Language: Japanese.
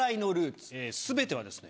全てはですね